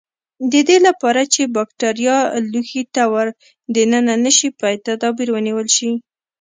د دې لپاره چې بکټریا لوښي ته ور دننه نشي باید تدابیر ونیول شي.